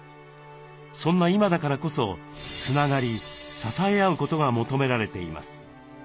そんな今だからこそつながり支えあうことが求められています。